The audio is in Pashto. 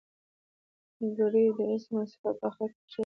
ګری د اسم او صفت په آخر کښي راځي.